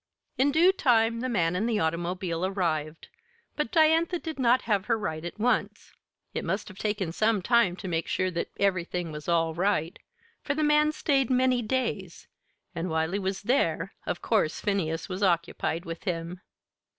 In due time the man and the automobile arrived, but Diantha did not have her ride at once. It must have taken some time to make sure that "everything was all right," for the man stayed many days, and while he was there, of course Phineas was occupied with him.